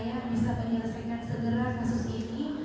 yang bisa menyelesaikan segera kasus ini